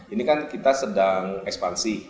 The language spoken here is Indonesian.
ini kan kita sedang ekspansi